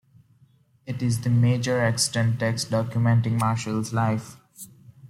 It is the major extant text documenting Marshal's life.